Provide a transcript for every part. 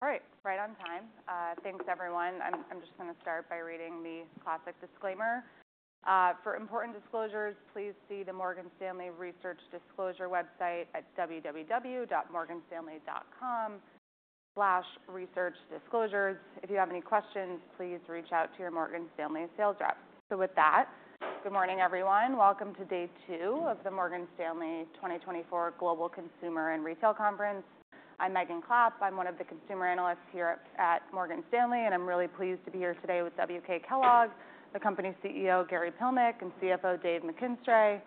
All right. Right on time. Thanks everyone. I'm just gonna start by reading the classic disclaimer. For important disclosures, please see the Morgan Stanley Research Disclosure website at www.morganstanley.com/researchdisclosures. If you have any questions, please reach out to your Morgan Stanley sales rep. So with that, good morning everyone. Welcome to day two of the Morgan Stanley 2024 Global Consumer and Retail Conference. I'm Megan Clapp. I'm one of the consumer analysts here at Morgan Stanley, and I'm really pleased to be here today with WK Kellogg, the company's CEO, Gary Pilnick, and CFO, Dave McKinstray.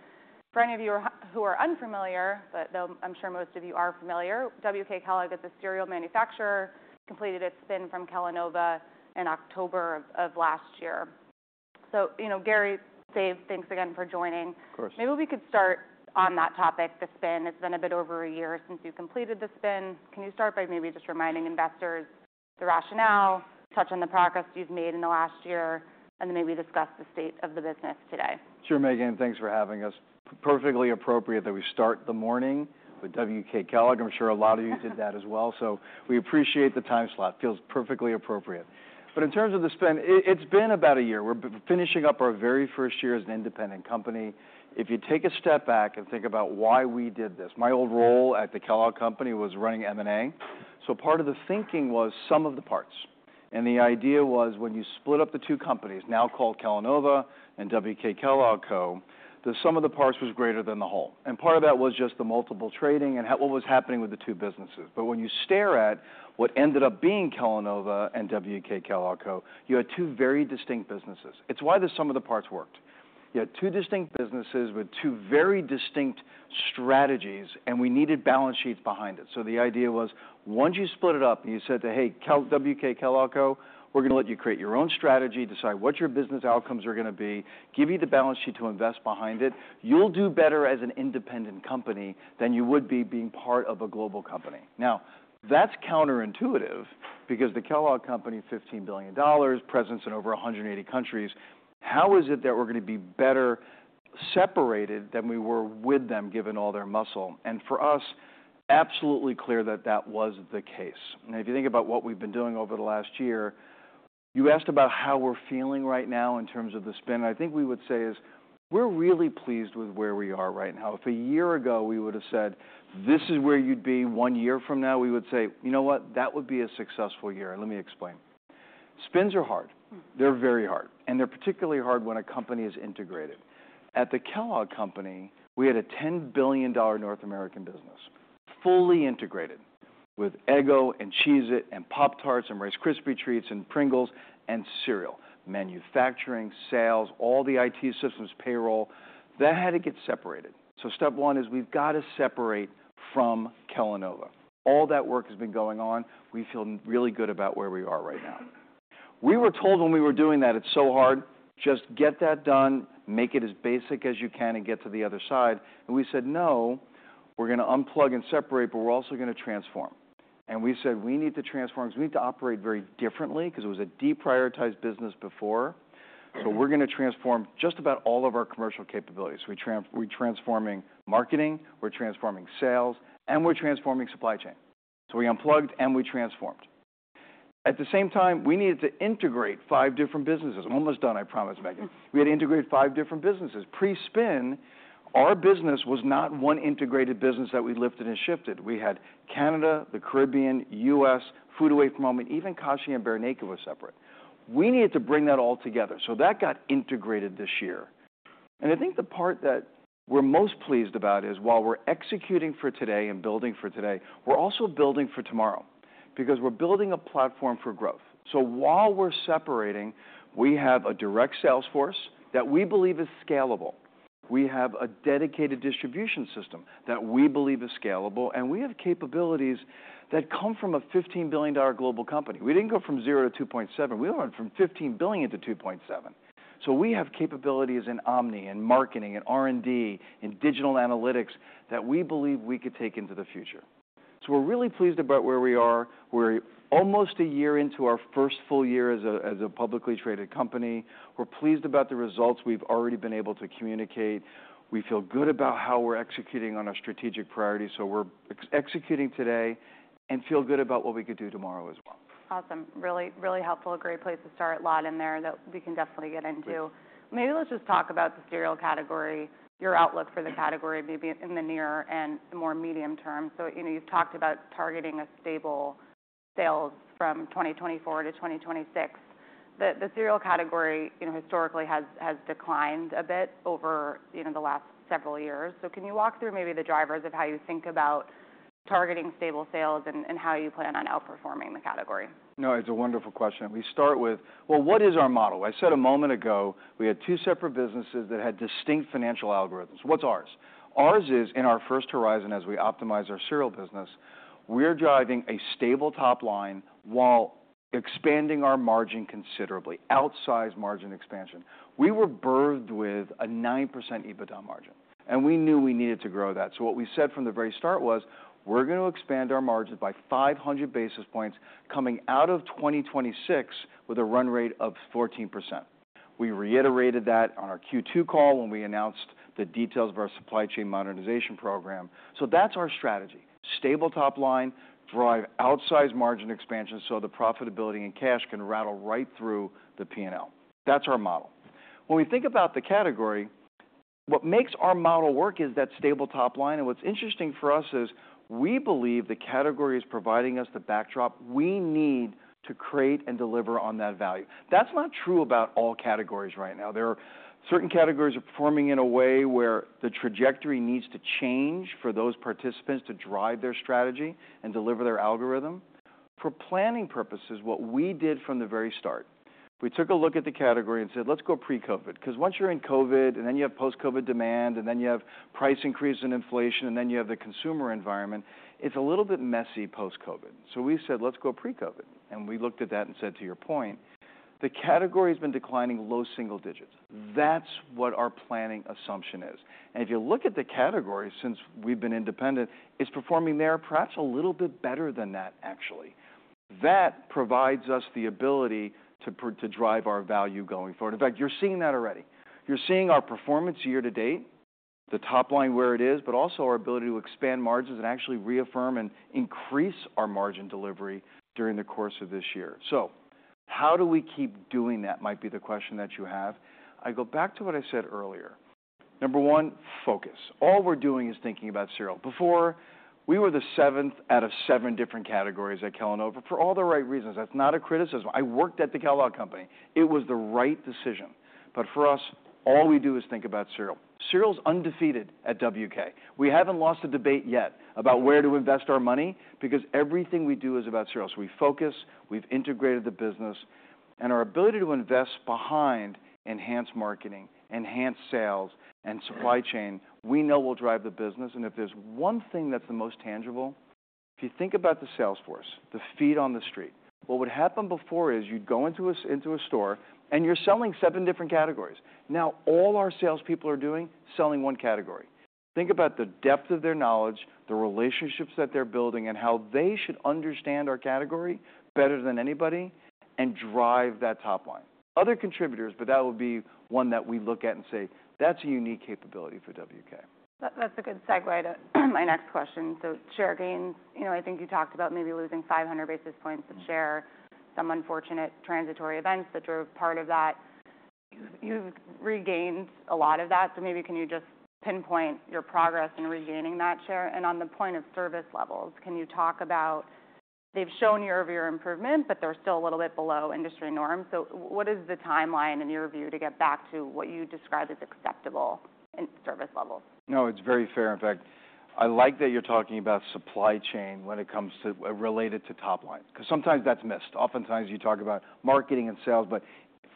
For any of you who are unfamiliar, but though I'm sure most of you are familiar, WK Kellogg is a cereal manufacturer that completed its spin from Kellanova in October of last year. So, you know, Gary, Dave, thanks again for joining. Of course. Maybe we could start on that topic, the spin. It's been a bit over a year since you completed the spin. Can you start by maybe just reminding investors the rationale, touch on the progress you've made in the last year, and then maybe discuss the state of the business today? Sure, Megan. Thanks for having us. Perfectly appropriate that we start the morning with WK Kellogg. I'm sure a lot of you did that as well. So we appreciate the time slot. Feels perfectly appropriate. But in terms of the spin, it, it's been about a year. We're finishing up our very first year as an independent company. If you take a step back and think about why we did this, my old role at the Kellogg Company was running M&A. So part of the thinking was sum of the parts. And the idea was when you split up the two companies, now called Kellanova and WK Kellogg Co, the sum of the parts was greater than the whole. And part of that was just the multiple trading and what was happening with the two businesses. But when you stare at what ended up being Kellanova and WK Kellogg Co, you had two very distinct businesses. It's why the sum of the parts worked. You had two distinct businesses with two very distinct strategies, and we needed balance sheets behind it. So the idea was once you split it up and you said to, "Hey, WK Kellogg Co, we're gonna let you create your own strategy, decide what your business outcomes are gonna be, give you the balance sheet to invest behind it, you'll do better as an independent company than you would be being part of a global company." Now, that's counterintuitive because the Kellogg Company, $15 billion, presence in over 180 countries. How is it that we're gonna be better separated than we were with them given all their muscle? And for us, absolutely clear that that was the case. And if you think about what we've been doing over the last year, you asked about how we're feeling right now in terms of the spin. I think we would say is we're really pleased with where we are right now. If a year ago we would've said, "This is where you'd be one year from now," we would say, "You know what? That would be a successful year." And let me explain. Spins are hard. They're very hard. And they're particularly hard when a company is integrated. At the Kellogg Company, we had a $10 billion North American business fully integrated with Eggo and Cheez-It and Pop-Tarts and Rice Krispies Treats and Pringles and cereal. Manufacturing, sales, all the IT systems, payroll, that had to get separated. So step one is we've gotta separate from Kellanova. All that work has been going on. We feel really good about where we are right now. We were told when we were doing that it's so hard, just get that done, make it as basic as you can, and get to the other side, and we said, "No, we're gonna unplug and separate, but we're also gonna transform." And we said we need to transform 'cause we need to operate very differently 'cause it was a deprioritized business before, so we're gonna transform just about all of our commercial capabilities. We're transforming marketing, we're transforming sales, and we're transforming supply chain, so we unplugged and we transformed. At the same time, we needed to integrate five different businesses. Almost done, I promise, Megan. We had to integrate five different businesses. Pre-spin, our business was not one integrated business that we lifted and shifted. We had Canada, the Caribbean, U.S., food away from home, and even Kashi and Bear Naked were separate. We needed to bring that all together. So that got integrated this year. And I think the part that we're most pleased about is while we're executing for today and building for today, we're also building for tomorrow because we're building a platform for growth. So while we're separating, we have a direct sales force that we believe is scalable. We have a dedicated distribution system that we believe is scalable, and we have capabilities that come from a $15 billion global company. We didn't go from zero to $2.7 billion. We went from $15 billion to $2.7 billion. So we have capabilities in omni and marketing and R&D and digital analytics that we believe we could take into the future. So we're really pleased about where we are. We're almost a year into our first full-year as a publicly traded company. We're pleased about the results we've already been able to communicate. We feel good about how we're executing on our strategic priorities. So we're executing today and feel good about what we could do tomorrow as well. Awesome. Really, really helpful. Great place to start. A lot in there that we can definitely get into. Maybe let's just talk about the cereal category, your outlook for the category maybe in the near and more medium term. So, you know, you've talked about targeting stable sales from 2024-2026. The cereal category, you know, historically has declined a bit over, you know, the last several years. So can you walk through maybe the drivers of how you think about targeting stable sales and how you plan on outperforming the category? No, it's a wonderful question. We start with, well, what is our model? I said a moment ago we had two separate businesses that had distinct financial algorithms. What's ours? Ours is in our first horizon as we optimize our cereal business, we're driving a stable top line while expanding our margin considerably, outsize margin expansion. We were birthed with a 9% EBITDA margin, and we knew we needed to grow that. So what we said from the very start was we're gonna expand our margin by 500 basis points coming out of 2026 with a run rate of 14%. We reiterated that on our Q2 call when we announced the details of our supply chain modernization program. So that's our strategy. Stable top line, drive outsize margin expansion so the profitability and cash can rattle right through the P&L. That's our model. When we think about the category, what makes our model work is that stable top line, and what's interesting for us is we believe the category is providing us the backdrop we need to create and deliver on that value. That's not true about all categories right now. There are certain categories are performing in a way where the trajectory needs to change for those participants to drive their strategy and deliver their algorithm. For planning purposes, what we did from the very start, we took a look at the category and said, "Let's go pre-COVID." 'Cause once you're in COVID and then you have post-COVID demand, and then you have price increases and inflation, and then you have the consumer environment, it's a little bit messy post-COVID. We said, "Let's go pre-COVID." We looked at that and said, "To your point, the category has been declining low single digits." That's what our planning assumption is. If you look at the category, since we've been independent, it's performing there perhaps a little bit better than that, actually. That provides us the ability to drive our value going forward. In fact, you're seeing that already. You're seeing our performance year-to-date, the top line where it is, but also our ability to expand margins and actually reaffirm and increase our margin delivery during the course of this year. How do we keep doing that might be the question that you have. I go back to what I said earlier. Number one, focus. All we're doing is thinking about cereal. Before, we were the seventh out of seven different categories at Kellanova for all the right reasons. That's not a criticism. I worked at the Kellogg Company. It was the right decision. But for us, all we do is think about cereal. Cereal's undefeated at WK. We haven't lost a debate yet about where to invest our money because everything we do is about cereal. So we focus, we've integrated the business, and our ability to invest behind enhanced marketing, enhanced sales, and supply chain, we know will drive the business. And if there's one thing that's the most tangible, if you think about the sales force, the feet on the street, what would happen before is you'd go into a, into a store and you're selling seven different categories. Now all our salespeople are doing selling one category. Think about the depth of their knowledge, the relationships that they're building, and how they should understand our category better than anybody and drive that top line. Other contributors, but that would be one that we look at and say, "That's a unique capability for WK". That's a good segue to my next question. So share gains, you know, I think you talked about maybe losing 500 basis points of share, some unfortunate transitory events that drove part of that. You've regained a lot of that. So maybe can you just pinpoint your progress in regaining that share? And on the point of service levels, can you talk about they've shown year-over-year improvement, but they're still a little bit below industry norms? So what is the timeline in your view to get back to what you describe as acceptable in service levels? No, it's very fair. In fact, I like that you're talking about supply chain when it comes to related to top line. 'Cause sometimes that's missed. Oftentimes you talk about marketing and sales, but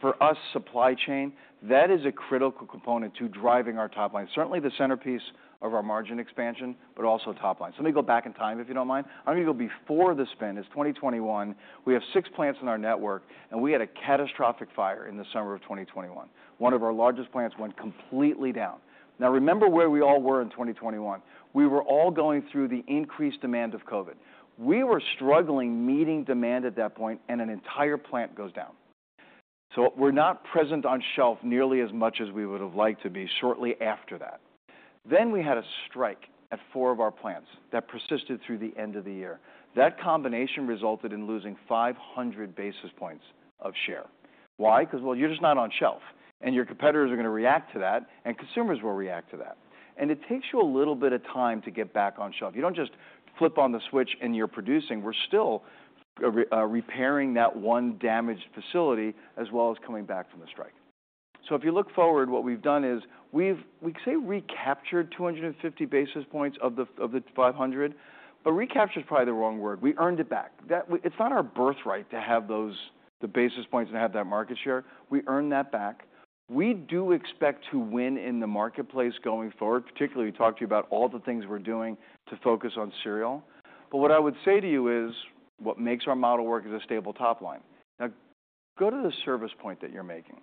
for us, supply chain, that is a critical component to driving our top line. Certainly the centerpiece of our margin expansion, but also top line. So let me go back in time if you don't mind. I'm gonna go before the spin is 2021. We have six plants in our network, and we had a catastrophic fire in the summer of 2021. One of our largest plants went completely down. Now remember where we all were in 2021. We were all going through the increased demand of COVID. We were struggling meeting demand at that point, and an entire plant goes down. We're not present on shelf nearly as much as we would've liked to be shortly after that. Then we had a strike at four of our plants that persisted through the end of the year. That combination resulted in losing 500 basis points of share. Why? 'Cause, well, you're just not on shelf, and your competitors are gonna react to that, and consumers will react to that. And it takes you a little bit of time to get back on shelf. You don't just flip on the switch and you're producing. We're still repairing that one damaged facility as well as coming back from the strike. If you look forward, what we've done is we say recaptured 250 basis points of the 500, but recapture's probably the wrong word. We earned it back. That we, it's not our birthright to have those, the basis points and have that market share. We earn that back. We do expect to win in the marketplace going forward, particularly we talked to you about all the things we're doing to focus on cereal. But what I would say to you is what makes our model work is a stable top line. Now go to the specific point that you're making.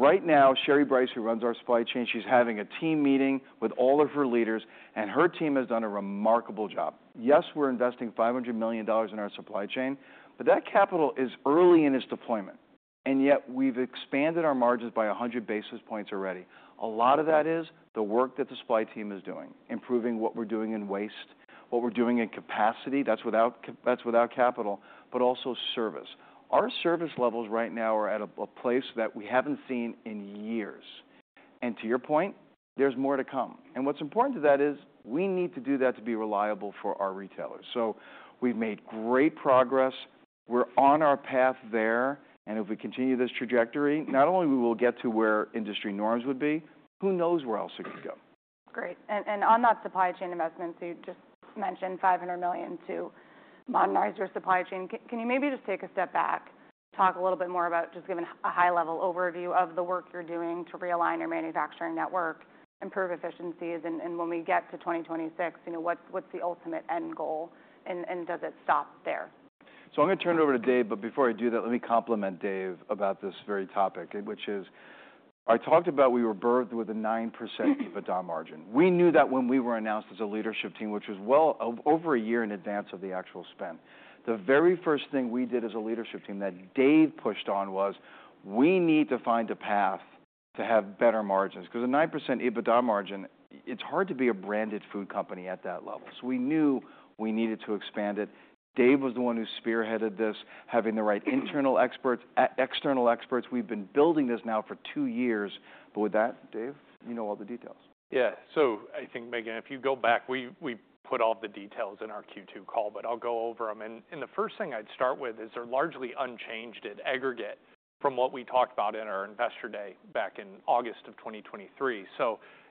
Right now, Sherry Brice, who runs our supply chain, she's having a team meeting with all of her leaders, and her team has done a remarkable job. Yes, we're investing $500 million in our supply chain, but that capital is early in its deployment, and yet we've expanded our margins by 100 basis points already. A lot of that is the work that the supply team is doing, improving what we're doing in waste, what we're doing in capacity. That's without capital, but also service. Our service levels right now are at a place that we haven't seen in years. And to your point, there's more to come. And what's important to that is we need to do that to be reliable for our retailers. So we've made great progress. We're on our path there. And if we continue this trajectory, not only will we get to where industry norms would be, who knows where else it could go? That's great. And on that supply chain investment, so you just mentioned $500 million to modernize your supply chain. Can you maybe just take a step back, talk a little bit more about just giving a high-level overview of the work you're doing to realign your manufacturing network, improve efficiencies? And when we get to 2026, you know, what's the ultimate end goal? And does it stop there? I'm gonna turn it over to Dave, but before I do that, let me compliment Dave about this very topic, which is I talked about we were birthed with a 9% EBITDA margin. We knew that when we were announced as a leadership team, which was well over a year in advance of the actual spin. The very first thing we did as a leadership team that Dave pushed on was we need to find a path to have better margins. 'Cause a 9% EBITDA margin, it's hard to be a branded food company at that level. We knew we needed to expand it. Dave was the one who spearheaded this, having the right internal experts, external experts. We've been building this now for two years. With that, Dave, you know all the details. Yeah. I think, Megan, if you go back, we put all the details in our Q2 call, but I'll go over 'em. The first thing I'd start with is they're largely unchanged in aggregate from what we talked about in our Investor Day back in August of 2023.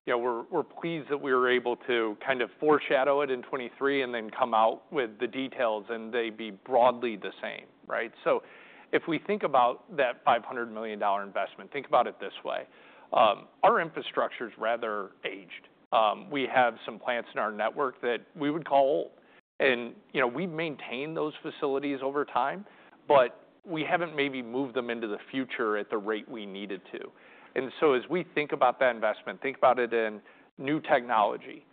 You know, we're pleased that we were able to kind of foreshadow it in 2023 and then come out with the details and they be broadly the same, right? If we think about that $500 million investment, think about it this way. Our infrastructure's rather aged. We have some plants in our network that we would call old. You know, we've maintained those facilities over time, but we haven't maybe moved them into the future at the rate we needed to. And so as we think about that investment, think about it in new technology,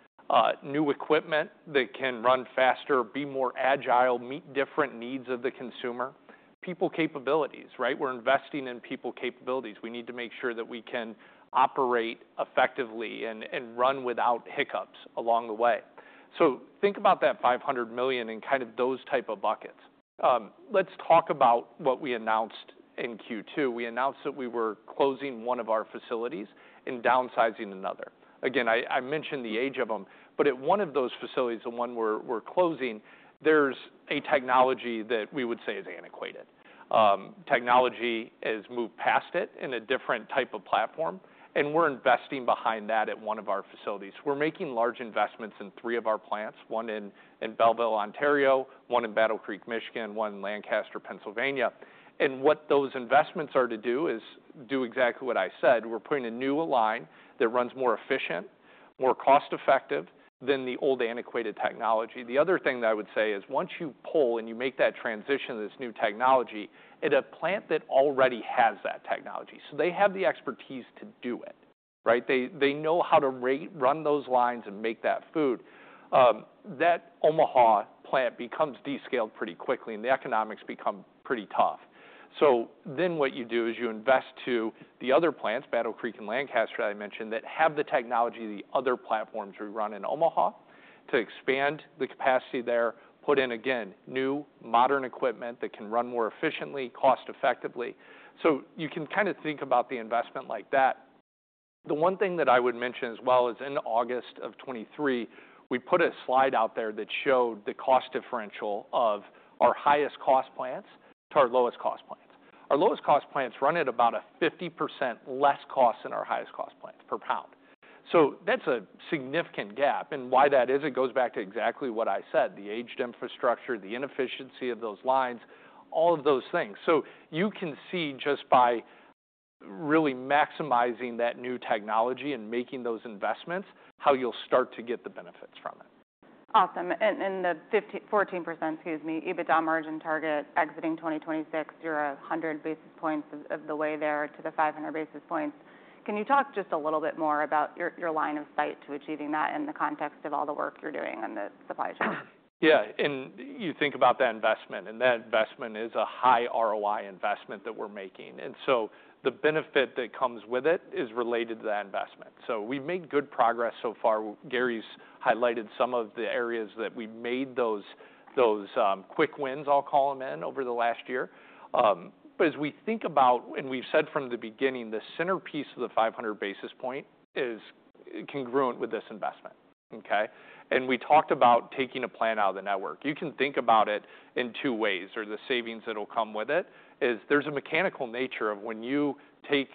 new equipment that can run faster, be more agile, meet different needs of the consumer, people capabilities, right? We're investing in people capabilities. We need to make sure that we can operate effectively and run without hiccups along the way. So think about that $500 million and kind of those type of buckets. Let's talk about what we announced in Q2. We announced that we were closing one of our facilities and downsizing another. Again, I mentioned the age of 'em, but at one of those facilities, the one we're closing, there's a technology that we would say is antiquated. Technology has moved past it in a different type of platform, and we're investing behind that at one of our facilities. We're making large investments in three of our plants, one in Belleville, Ontario, one in Battle Creek, Michigan, one in Lancaster, Pennsylvania. What those investments are to do is do exactly what I said. We're putting a new line that runs more efficient, more cost-effective than the old antiquated technology. The other thing that I would say is once you pull and you make that transition to this new technology at a plant that already has that technology, so they have the expertise to do it, right? They know how to run those lines and make that food. That Omaha plant becomes downscaled pretty quickly, and the economics become pretty tough. So then what you do is you invest to the other plants, Battle Creek and Lancaster, I mentioned, that have the technology, the other platforms we run in Omaha to expand the capacity there, put in, again, new modern equipment that can run more efficiently, cost-effectively. So you can kind of think about the investment like that. The one thing that I would mention as well is in August of 2023, we put a slide out there that showed the cost differential of our highest cost plants to our lowest cost plants. Our lowest cost plants run at about a 50% less cost than our highest cost plants per pound. So that's a significant gap. And why that is, it goes back to exactly what I said, the aged infrastructure, the inefficiency of those lines, all of those things. So you can see just by really maximizing that new technology and making those investments how you'll start to get the benefits from it. Awesome. And the 15%, 14%, excuse me, EBITDA margin target exiting 2026, you're 100 basis points of the way there to the 500 basis points. Can you talk just a little bit more about your line of sight to achieving that in the context of all the work you're doing on the supply chain? Yeah. And you think about that investment, and that investment is a high ROI investment that we're making. And so the benefit that comes with it is related to that investment. So we've made good progress so far. Gary's highlighted some of the areas that we made those quick wins, I'll call 'em, in over the last year. But as we think about, and we've said from the beginning, the centerpiece of the 500 basis point is congruent with this investment, okay? And we talked about taking a plant out of the network. You can think about it in two ways. Or the savings that'll come with it is there's a mechanical nature of when you take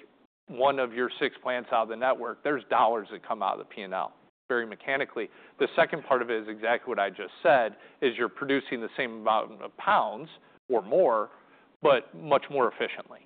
one of your six plants out of the network. There's dollars that come out of the P&L very mechanically. The second part of it is exactly what I just said, is you're producing the same amount of pounds or more, but much more efficiently,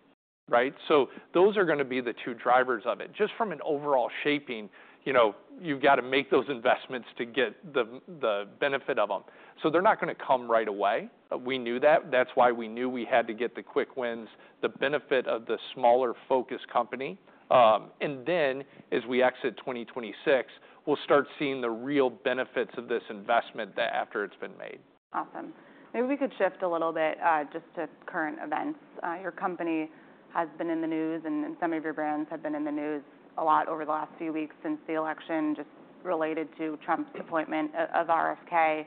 right? So those are gonna be the two drivers of it. Just from an overall shaping, you know, you've gotta make those investments to get the benefit of 'em. So they're not gonna come right away. We knew that. That's why we knew we had to get the quick wins, the benefit of the smaller focus company, and then as we exit 2026, we'll start seeing the real benefits of this investment that after it's been made. Awesome. Maybe we could shift a little bit, just to current events. Your company has been in the news, and some of your brands have been in the news a lot over the last few weeks since the election, just related to Trump's appointment of RFK.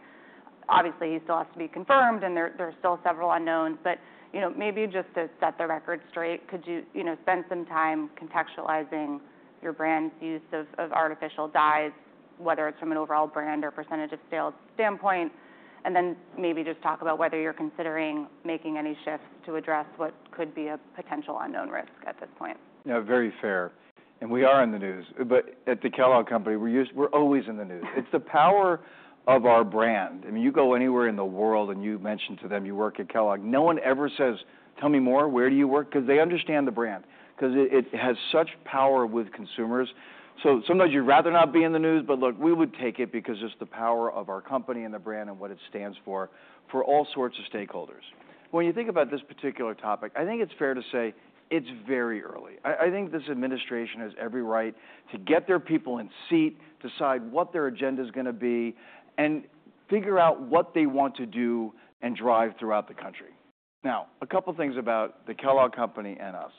Obviously, he still has to be confirmed, and there are still several unknowns. But, you know, maybe just to set the record straight, could you, you know, spend some time contextualizing your brand's use of artificial dyes, whether it's from an overall brand or percentage of sales standpoint, and then maybe just talk about whether you're considering making any shifts to address what could be a potential unknown risk at this point. Yeah, very fair. And we are in the news, but at the Kellogg Company, we're used, we're always in the news. It's the power of our brand. I mean, you go anywhere in the world and you mention to them you work at Kellogg, no one ever says, "Tell me more. Where do you work?" 'Cause they understand the brand. 'Cause it, it has such power with consumers. So sometimes you'd rather not be in the news, but look, we would take it because it's the power of our company and the brand and what it stands for, for all sorts of stakeholders. When you think about this particular topic, I think it's fair to say it's very early. I think this administration has every right to get their people in place, decide what their agenda's gonna be, and figure out what they want to do and drive throughout the country. Now, a couple things about the Kellogg Company and us.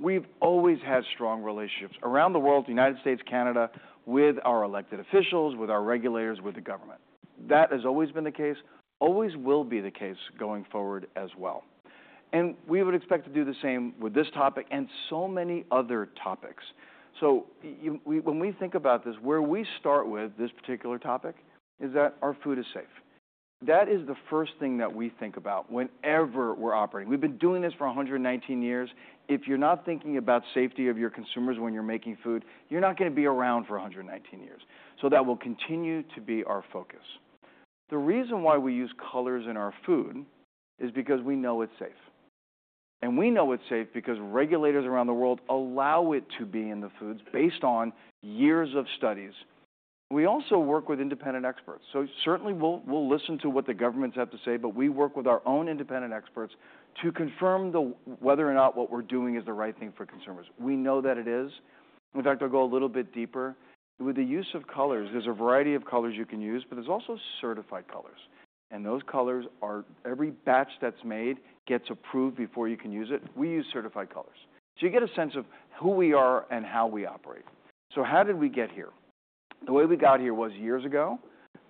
We've always had strong relationships around the world, United States, Canada, with our elected officials, with our regulators, with the government. That has always been the case, always will be the case going forward as well. And we would expect to do the same with this topic and so many other topics. So, we, when we think about this, where we start with this particular topic is that our food is safe. That is the first thing that we think about whenever we're operating. We've been doing this for 119 years. If you're not thinking about safety of your consumers when you're making food, you're not gonna be around for 119 years. So that will continue to be our focus. The reason why we use colors in our food is because we know it's safe, and we know it's safe because regulators around the world allow it to be in the foods based on years of studies. We also work with independent experts. So certainly we'll listen to what the governments have to say, but we work with our own independent experts to confirm whether or not what we're doing is the right thing for consumers. We know that it is. In fact, I'll go a little bit deeper. With the use of colors, there's a variety of colors you can use, but there's also certified colors. Those colors are every batch that's made gets approved before you can use it. We use certified colors. You get a sense of who we are and how we operate. How did we get here? The way we got here was years ago.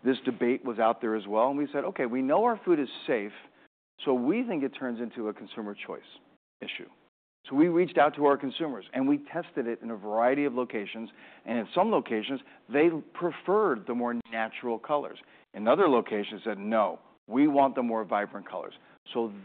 This debate was out there as well. We said, "Okay, we know our food is safe, so we think it turns into a consumer choice issue." We reached out to our consumers, and we tested it in a variety of locations. In some locations, they preferred the more natural colors. In other locations, they said, "No, we want the more vibrant colors."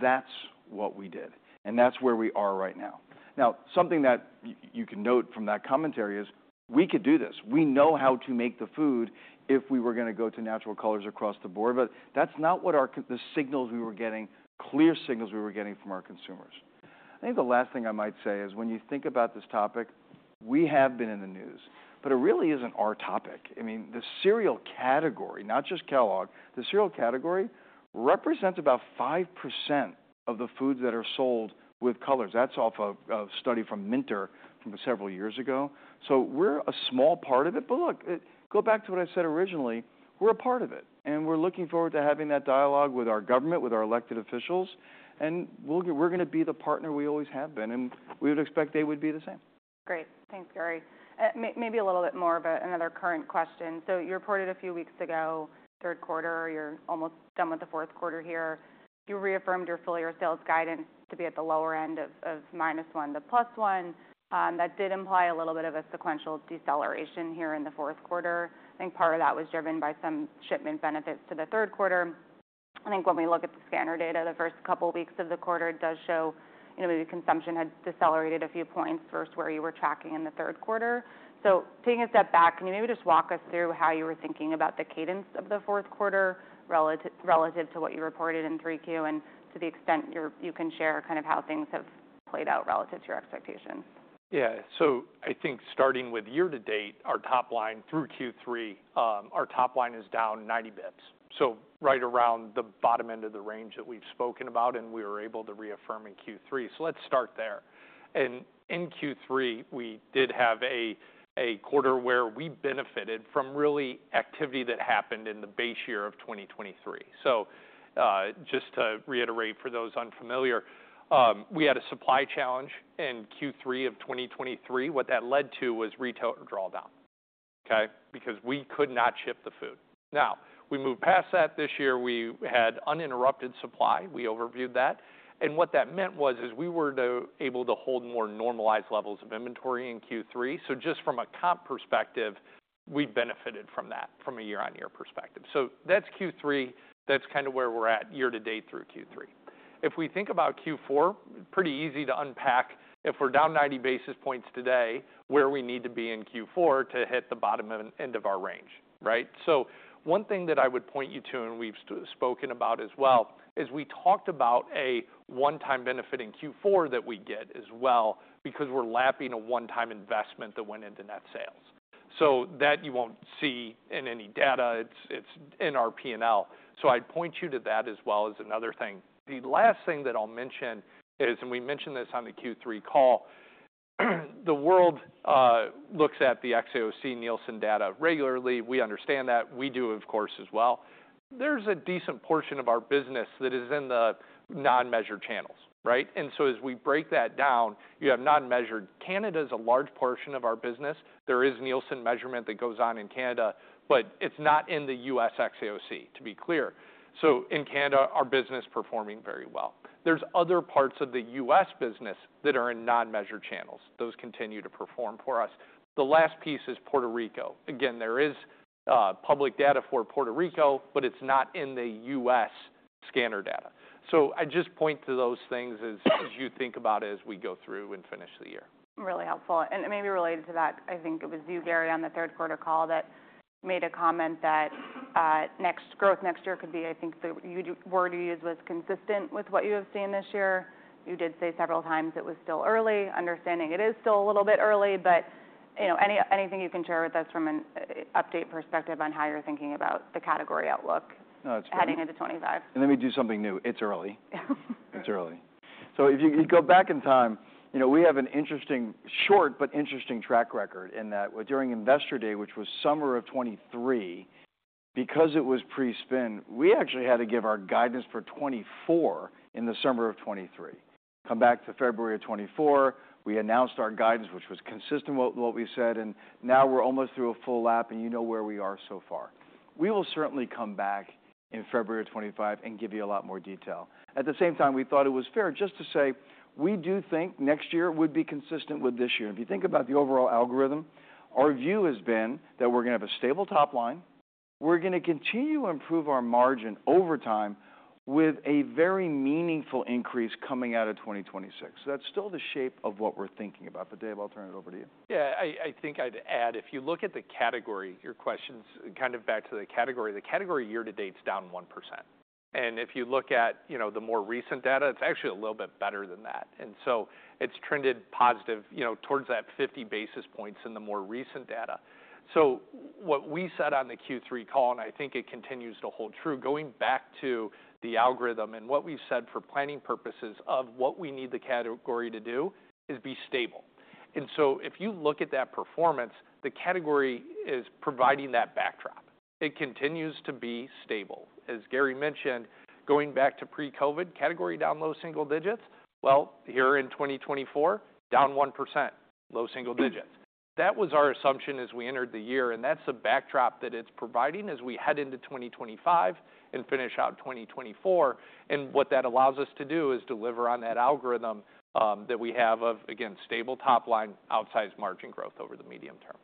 That's what we did. That's where we are right now. Now, something that you can note from that commentary is we could do this. We know how to make the food if we were gonna go to natural colors across the board. But that's not what our, the signals we were getting, clear signals we were getting from our consumers. I think the last thing I might say is when you think about this topic, we have been in the news, but it really isn't our topic. I mean, the cereal category, not just Kellogg, the cereal category represents about 5% of the foods that are sold with colors. That's off of a study from Mintel from several years ago. So we're a small part of it. But look, let's go back to what I said originally, we're a part of it. And we're looking forward to having that dialogue with our government, with our elected officials. And we'll get, we're gonna be the partner we always have been. We would expect they would be the same. Great. Thanks, Gary. Maybe a little bit more of another current question. So you reported a few weeks ago, third quarter, you're almost done with the fourth quarter here. You reaffirmed your full-year sales guidance to be at the lower end of -1% to +1%. That did imply a little bit of a sequential deceleration here in the fourth quarter. I think part of that was driven by some shipment benefits to the third quarter. I think when we look at the scanner data, the first couple weeks of the quarter does show, you know, maybe consumption had decelerated a few points versus where you were tracking in the third quarter. So taking a step back, can you maybe just walk us through how you were thinking about the cadence of the fourth quarter relative to what you reported in 3Q and to the extent you can share kind of how things have played out relative to your expectations? Yeah. So I think starting with year-to-date, our top line through Q3, our top line is down 90 basis points. So right around the bottom end of the range that we've spoken about, and we were able to reaffirm in Q3. So let's start there. And in Q3, we did have a quarter where we benefited from retail activity that happened in the base year of 2023. So, just to reiterate for those unfamiliar, we had a supply challenge in Q3 of 2023. What that led to was retail drawdown, okay? Because we could not ship the food. Now, we moved past that this year. We had uninterrupted supply. We overviewed that. And what that meant was, we were able to hold more normalized levels of inventory in Q3. So just from a comp perspective, we benefited from that from a year-on-year perspective. So that's Q3. That's kind of where we're at year-to-date through Q3. If we think about Q4, pretty easy to unpack if we're down 90 basis points today, where we need to be in Q4 to hit the bottom end of our range, right? So one thing that I would point you to, and we've spoken about as well, is we talked about a one-time benefit in Q4 that we get as well because we're lapping a one-time investment that went into net sales. So that you won't see in any data. It's in our P&L. So I'd point you to that as well as another thing. The last thing that I'll mention is, and we mentioned this on the Q3 call, the world looks at the xAOC Nielsen data regularly. We understand that. We do, of course, as well. There's a decent portion of our business that is in the non-measured channels, right? And so as we break that down, you have non-measured. Canada's a large portion of our business. There is Nielsen measurement that goes on in Canada, but it's not in the U.S. xAOC, to be clear. So in Canada, our business is performing very well. There's other parts of the U.S. business that are in non-measured channels. Those continue to perform for us. The last piece is Puerto Rico. Again, there is public data for Puerto Rico, but it's not in the U.S. scanner data. So I just point to those things as you think about it as we go through and finish the year. Really helpful, and maybe related to that, I think it was you, Gary, on the third quarter call that made a comment that next growth next year could be, I think the word you used was consistent with what you have seen this year. You did say several times it was still early, understanding it is still a little bit early, but you know, anything you can share with us from an update perspective on how you're thinking about the category outlook. No, that's great. Heading into 2025. Let me do something new. It's early. It's early. If you, you go back in time, you know, we have an interesting short but interesting track record in that during investor day, which was summer of 2023, because it was pre-spin, we actually had to give our guidance for 2024 in the summer of 2023. Come back to February of 2024, we announced our guidance, which was consistent with what we said, and now we're almost through a full lap, and you know where we are so far. We will certainly come back in February of 2025 and give you a lot more detail. At the same time, we thought it was fair just to say we do think next year would be consistent with this year. If you think about the overall algorithm, our view has been that we're gonna have a stable top line. We're gonna continue to improve our margin over time with a very meaningful increase coming out of 2026. That's still the shape of what we're thinking about. But Dave, I'll turn it over to you. Yeah. I, I think I'd add if you look at the category, your question's kind of back to the category. The category year-to-date's down 1%. And if you look at, you know, the more recent data, it's actually a little bit better than that. And so it's trended positive, you know, towards that 50 basis points in the more recent data. So what we said on the Q3 call, and I think it continues to hold true, going back to the algorithm and what we've said for planning purposes of what we need the category to do is be stable. And so if you look at that performance, the category is providing that backdrop. It continues to be stable. As Gary mentioned, going back to pre-COVID, category down low single digits. Well, here in 2024, down 1%, low single digits. That was our assumption as we entered the year, and that's the backdrop that it's providing as we head into 2025 and finish out 2024, and what that allows us to do is deliver on that algorithm, that we have of, again, stable top line, outsized margin growth over the medium term.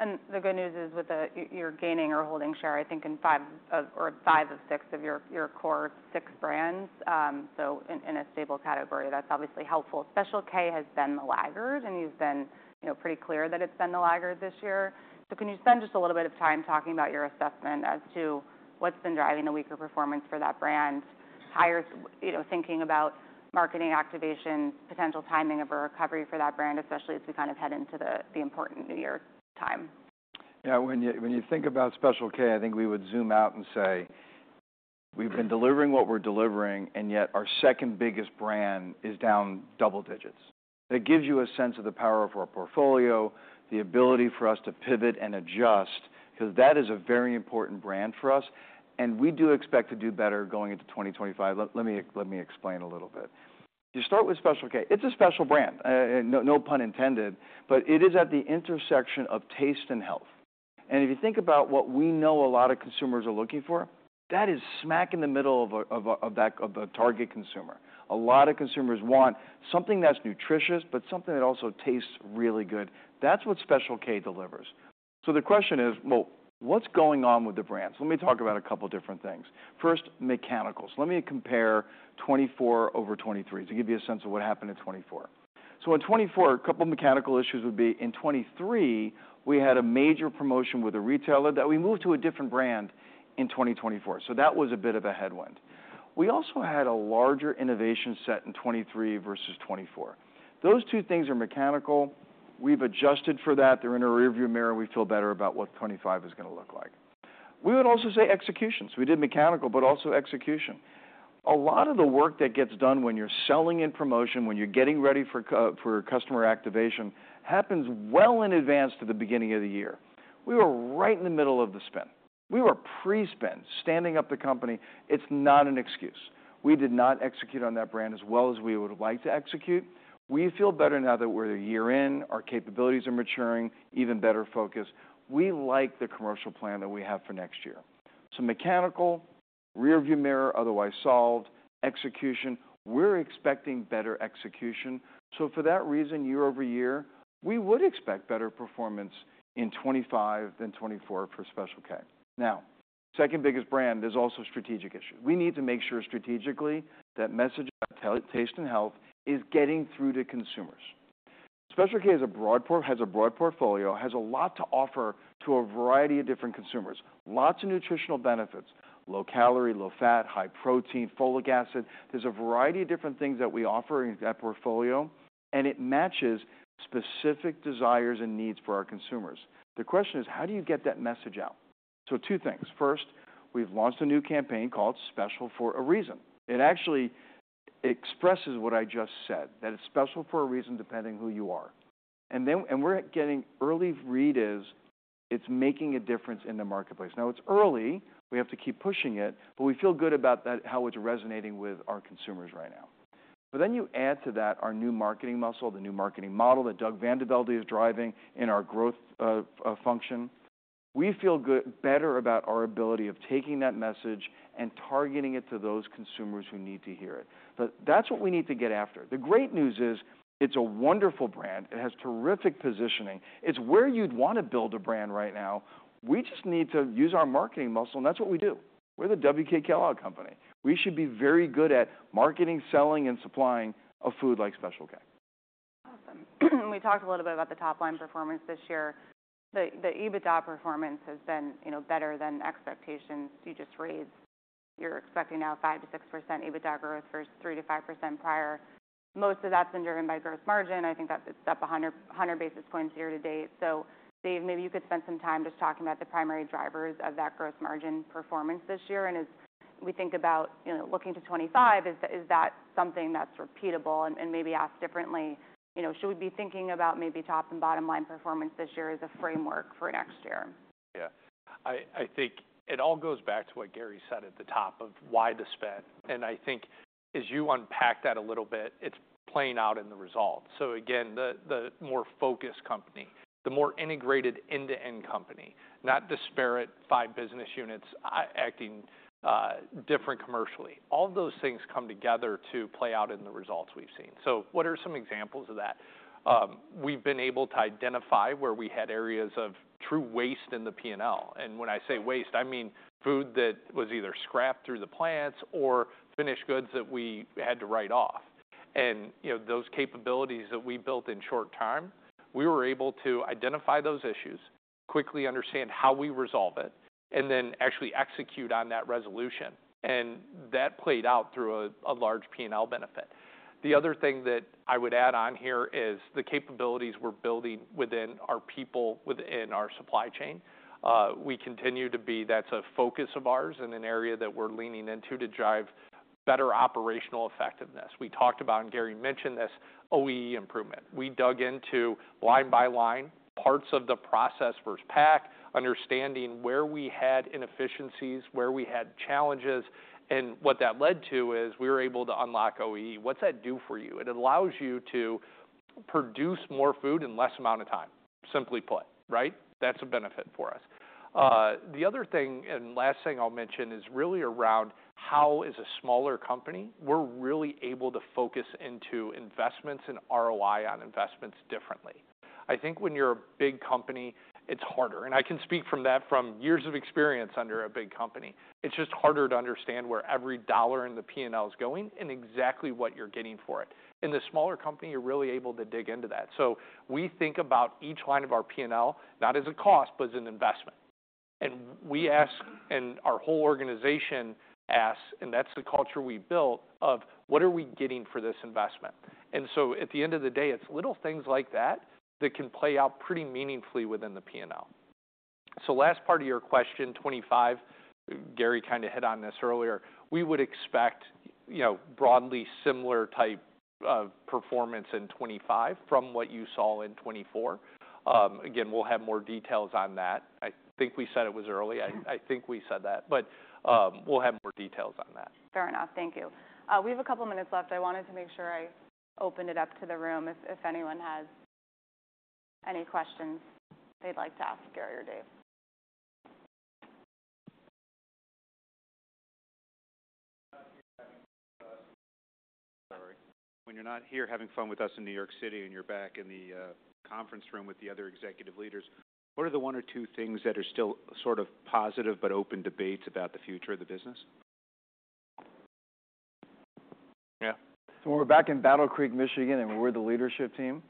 And the good news is with the, you're gaining or holding share, I think, in five of or five of six of your core six brands. So in a stable category, that's obviously helpful. Special K has been the laggard, and you've been, you know, pretty clear that it's been the laggard this year. So can you spend just a little bit of time talking about your assessment as to what's been driving the weaker performance for that brand? Higher, you know, thinking about marketing activations, potential timing of a recovery for that brand, especially as we kind of head into the important new year time. Yeah. When you think about Special K, I think we would zoom out and say we've been delivering what we're delivering, and yet our second biggest brand is down double digits. That gives you a sense of the power of our portfolio, the ability for us to pivot and adjust, 'cause that is a very important brand for us. And we do expect to do better going into 2025. Let me explain a little bit. You start with Special K. It's a special brand. No, no pun intended, but it is at the intersection of taste and health. And if you think about what we know a lot of consumers are looking for, that is smack in the middle of that target consumer. A lot of consumers want something that's nutritious, but something that also tastes really good. That's what Special K delivers. So the question is, well, what's going on with the brands? Let me talk about a couple different things. First, mechanicals. Let me compare 2024 over 2023 to give you a sense of what happened in 2024. So in 2024, a couple mechanical issues would be in 2023, we had a major promotion with a retailer that we moved to a different brand in 2024. So that was a bit of a headwind. We also had a larger innovation set in 2023 versus 2024. Those two things are mechanical. We've adjusted for that. They're in a rearview mirror. We feel better about what 2025 is gonna look like. We would also say executions. We did mechanical, but also execution. A lot of the work that gets done when you're selling in promotion, when you're getting ready for customer activation happens well in advance to the beginning of the year. We were right in the middle of the spin. We were pre-spin standing up the company. It's not an excuse. We did not execute on that brand as well as we would've liked to execute. We feel better now that we're a year in, our capabilities are maturing, even better focus. We like the commercial plan that we have for next year. So mechanical, rearview mirror, otherwise solved, execution. We're expecting better execution. So for that reason, year over year, we would expect better performance in 2025 than 2024 for Special K. Now, second biggest brand, there's also strategic issues. We need to make sure strategically that message about taste and health is getting through to consumers. Special K has a broad portfolio, has a lot to offer to a variety of different consumers, lots of nutritional benefits, low calorie, low fat, high protein, folic acid. There's a variety of different things that we offer in that portfolio, and it matches specific desires and needs for our consumers. The question is, how do you get that message out? So two things. First, we've launched a new campaign called Special for a Reason. It actually expresses what I just said, that it's special for a reason depending who you are. And then, we're getting early reads. It's making a difference in the marketplace. Now it's early. We have to keep pushing it, but we feel good about that, how it's resonating with our consumers right now. But then you add to that our new marketing muscle, the new marketing model that Doug VanDeVelde is driving in our growth, function. We feel good, better about our ability of taking that message and targeting it to those consumers who need to hear it. But that's what we need to get after. The great news is it's a wonderful brand. It has terrific positioning. It's where you'd wanna build a brand right now. We just need to use our marketing muscle, and that's what we do. We're the WK Kellogg Co. We should be very good at marketing, selling, and supplying a food like Special K. Awesome. We talked a little bit about the top line performance this year. The EBITDA performance has been, you know, better than expectations. You just raised. You're expecting now 5%-6% EBITDA growth versus 3%-5% prior. Most of that's been driven by gross margin. I think that it's up 100 basis points year-to-date. So Dave, maybe you could spend some time just talking about the primary drivers of that gross margin performance this year. And as we think about, you know, looking to 2025, is that, is that something that's repeatable and, and maybe asked differently, you know, should we be thinking about maybe top and bottom line performance this year as a framework for next year? Yeah. I think it all goes back to what Gary said at the top of why the spend. And I think as you unpack that a little bit, it's playing out in the results. So again, the more focused company, the more integrated end-to-end company, not disparate five business units, acting different commercially. All of those things come together to play out in the results we've seen. So what are some examples of that? We've been able to identify where we had areas of true waste in the P&L. And when I say waste, I mean food that was either scrapped through the plants or finished goods that we had to write off. And, you know, those capabilities that we built in short term, we were able to identify those issues, quickly understand how we resolve it, and then actually execute on that resolution. And that played out through a large P&L benefit. The other thing that I would add on here is the capabilities we're building within our people, within our supply chain. We continue to be. That's a focus of ours and an area that we're leaning into to drive better operational effectiveness. We talked about, and Gary mentioned this, OEE improvement. We dug into line by line parts of the process versus pack, understanding where we had inefficiencies, where we had challenges. And what that led to is we were able to unlock OEE. What's that do for you? It allows you to produce more food in less amount of time. Simply put, right? That's a benefit for us. The other thing, and last thing I'll mention is really around how as a smaller company, we're really able to focus into investments and ROI on investments differently. I think when you're a big company, it's harder, and I can speak from that, from years of experience under a big company. It's just harder to understand where every dollar in the P&L is going and exactly what you're getting for it. In the smaller company, you're really able to dig into that, so we think about each line of our P&L, not as a cost, but as an investment. And we ask, and our whole organization asks, and that's the culture we built of what are we getting for this investment? And so at the end of the day, it's little things like that that can play out pretty meaningfully within the P&L, so last part of your question, 2025, Gary kind of hit on this earlier. We would expect, you know, broadly similar type, performance in 2025 from what you saw in 2024. Again, we'll have more details on that. I think we said it was early. I think we said that, but we'll have more details on that. Fair enough. Thank you. We have a couple minutes left. I wanted to make sure I opened it up to the room if anyone has any questions they'd like to ask Gary or Dave. Sorry. When you're not here having fun with us in New York City and you're back in the conference room with the other executive leaders, what are the one or two things that are still sort of positive but open debates about the future of the business? Yeah. So we're back in Battle Creek, Michigan, and we're the leadership team.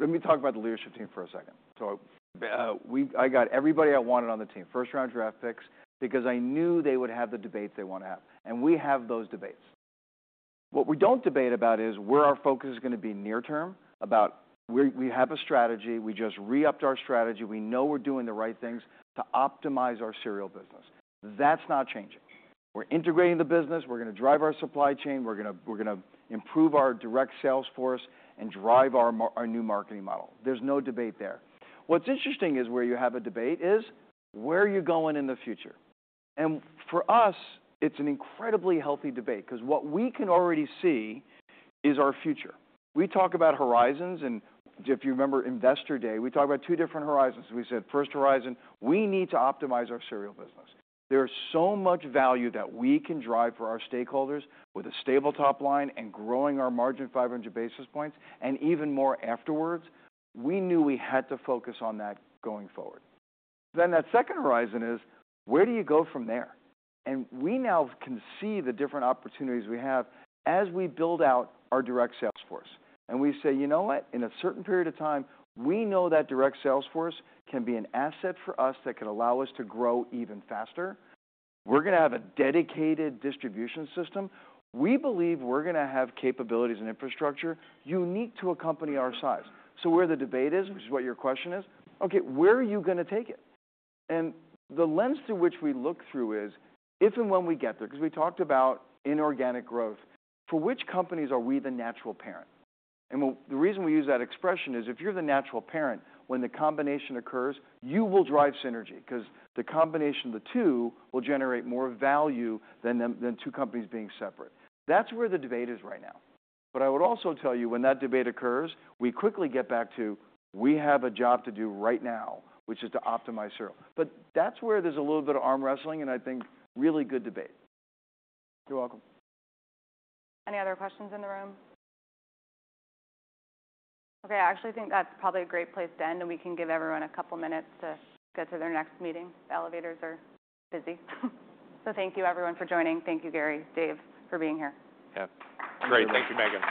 Let me talk about the leadership team for a second. So we've got everybody I wanted on the team, first round draft picks, because I knew they would have the debates they wanna have. And we have those debates. What we don't debate about is where our focus is gonna be near term about where we have a strategy. We just re-upped our strategy. We know we're doing the right things to optimize our cereal business. That's not changing. We're integrating the business. We're gonna drive our supply chain. We're gonna improve our direct sales force and drive our new marketing model. There's no debate there. What's interesting is where you have a debate is where are you going in the future? For us, it's an incredibly healthy debate 'cause what we can already see is our future. We talk about horizons. If you remember Investor Day, we talked about two different horizons. We said first horizon, we need to optimize our cereal business. There's so much value that we can drive for our stakeholders with a stable top line and growing our margin 500 basis points and even more afterwards. We knew we had to focus on that going forward. That second horizon is where do you go from there? We now can see the different opportunities we have as we build out our direct sales force. We say, you know what? In a certain period of time, we know that direct sales force can be an asset for us that can allow us to grow even faster. We're gonna have a dedicated distribution system. We believe we're gonna have capabilities and infrastructure unique to a company our size. So where the debate is, which is what your question is, okay, where are you gonna take it? And the lens through which we look through is if and when we get there, 'cause we talked about inorganic growth, for which companies are we the natural parent? And the reason we use that expression is if you're the natural parent, when the combination occurs, you will drive synergy 'cause the combination of the two will generate more value than the, than two companies being separate. That's where the debate is right now. But I would also tell you when that debate occurs, we quickly get back to we have a job to do right now, which is to optimize cereal. But that's where there's a little bit of arm wrestling and I think really good debate. You're welcome. Any other questions in the room? Okay. I actually think that's probably a great place to end, and we can give everyone a couple minutes to go to their next meeting. The elevators are busy. So thank you, everyone, for joining. Thank you, Gary, Dave, for being here. Yeah. Great. Thank you, Megan.